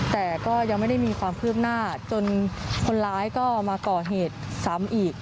แต่ก็ยังไม่ได้มีความคืบหน้าจนคนร้ายก็มาก่อเหตุซ้ำอีก